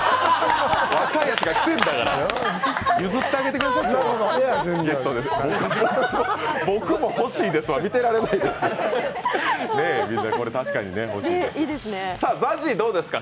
若いやつが来てるんだから譲ってあげてください、ゲストですから。